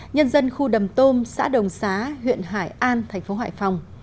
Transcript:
nhân dân khu đầm tôm xã đồng xá huyện hải an thành phố hải phòng